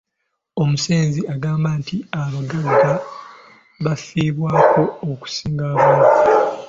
Omusenze agamba nti abagagga bafiibwako okusinga abaavu.